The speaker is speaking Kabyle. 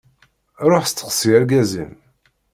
Ruḥ steqsi argaz-im.